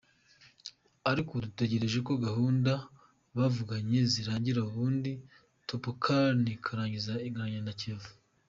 Ariko ubu dutegereje ko gahunda bavuganye zirangira, ubundi Topolcany ikarangizanya na Kiyovu”.